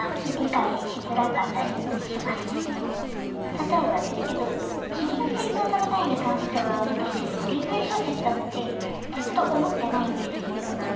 例えばですけど「君の膵臓をたべたい」に関しては私恋愛小説だってずっと思ってないんですよ。